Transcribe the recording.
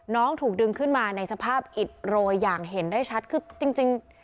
ถูกดึงขึ้นมาในสภาพอิดโรยอย่างเห็นได้ชัดคือจริง